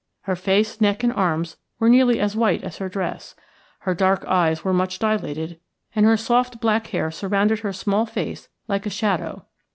Her face, neck, and arms were nearly as white as her dress, her dark eyes were much dilated, and her soft black hair surrounded her small face like a shadow.